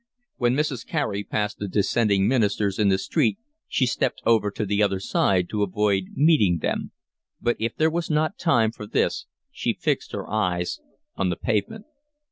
When Mrs. Carey passed the dissenting ministers in the street she stepped over to the other side to avoid meeting them, but if there was not time for this fixed her eyes on the pavement.